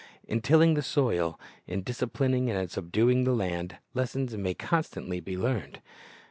In tilling the soil, in disciplining and subduing the land, lessons may constantly be learned.